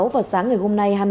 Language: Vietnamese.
vào sáng ngày hôm nay